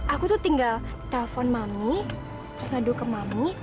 aku tuh tinggal telepon mami terus ngadu ke mami